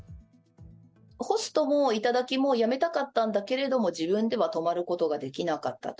ホストも頂きもやめたかったんだけれども、自分では止まることができなかったと。